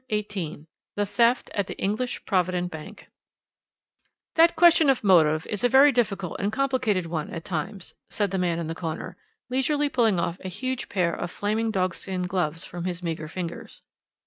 CHAPTER XVIII THE THEFT AT THE ENGLISH PROVIDENT BANK "That question of motive is a very difficult and complicated one at times," said the man in the corner, leisurely pulling off a huge pair of flaming dog skin gloves from his meagre fingers.